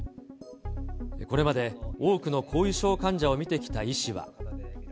これまで多くの後遺症患者を診てきた医師は。